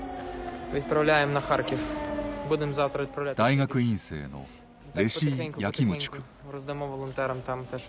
大学院生のレシィ・ヤキムチュク。